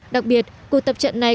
đặc biệt cuộc tập trận này